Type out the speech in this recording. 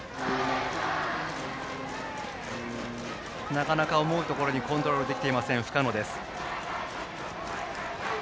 なかなか思うところにコントロールできていません深野です。